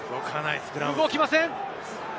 動きません。